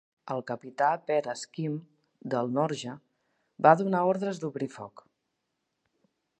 El capità Per Askim, del "Norge", va donar ordres d'obrir foc.